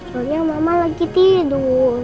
soalnya mama lagi tidur